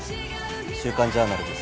週刊ジャーナルです